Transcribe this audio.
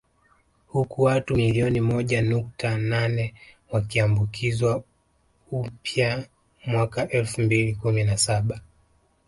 Huku watu milioni moja nukta nane wakiambukizwa umpya mwaka elfu mbili kumi na saba